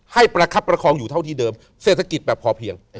ประคับประคองอยู่เท่าที่เดิมเศรษฐกิจแบบพอเพียง